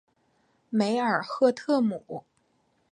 梅尔赫特姆。